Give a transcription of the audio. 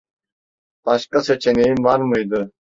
Başka seçeneğim var mıydı?